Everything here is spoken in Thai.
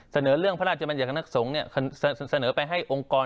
เสนอเรื่องพระราชบัญญัติคณะสงฆ์เสนอไปให้องค์กร